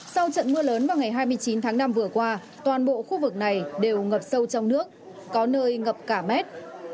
sau trận mưa lớn vào ngày hai mươi chín tháng năm vừa qua toàn bộ khu vực này đều ngập sâu trong nước có nơi ngập cả mét